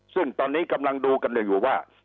ซึ่งตอนนี้กำลังดูกันอยู่ว่า